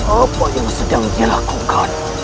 apa yang sedang dilakukan